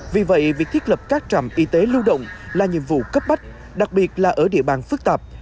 vì vậy việc thiết lập các trạm y tế lưu động là nhiệm vụ cấp bách đặc biệt là ở địa bàn phức tạp